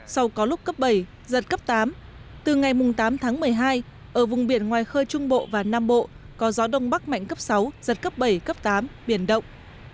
sau có lúc cấp bảy giật cấp tám từ ngày tám tháng một mươi hai ở vùng biển ngoài khơi trung bộ và nam bộ có gió đông bắc mạnh cấp sáu giật cấp bảy cấp tám biển động